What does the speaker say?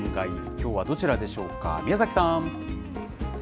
きょうはどちらでしょうか。